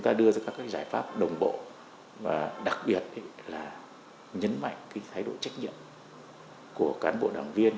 giải pháp đồng bộ và đặc biệt là nhấn mạnh thái độ trách nhiệm của cán bộ đảng viên